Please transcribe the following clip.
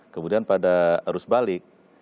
kemudian pada arus balik